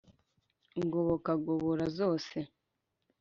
ngoboka agobora zose;